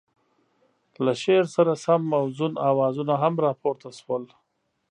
له شعر سره سم موزون اوازونه هم را پورته شول.